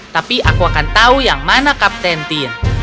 tapi aku akan tahu yang mana kapten tim